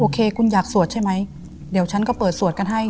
โคคุณอยากสวดใช่ไหมเดี๋ยวฉันก็เปิดสวดกันให้